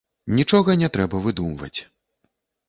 Нічога не трэба выдумваць.